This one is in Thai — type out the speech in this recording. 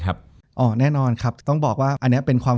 จบการโรงแรมจบการโรงแรม